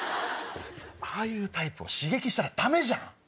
ああいうタイプを刺激したらダメじゃん。